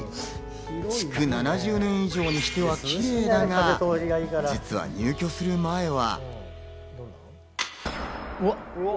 築７０年以上にしてはキレイだが、実は入居する前は。